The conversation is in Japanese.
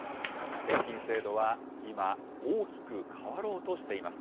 転勤制度は今、大きく変わろうとしています。